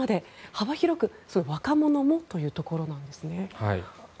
幅広く若者もというところなんですね。